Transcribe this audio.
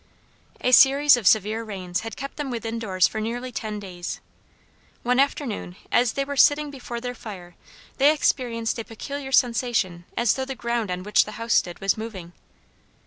A series of severe rains had kept them within doors for nearly ten days. One afternoon as they were sitting before their fire they experienced a peculiar sensation as though the ground on which the house stood was moving.